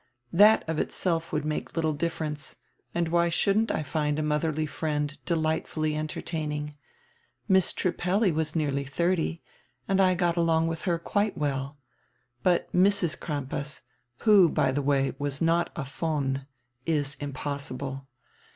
That of itself would make littie difference, and why shouldn't I find a modierly friend delightfully entertain ing? Miss Trippelli was nearly diirty, and I got along widi her quite well. But Mrs. Crampas, who by die way was not a von, is impossible.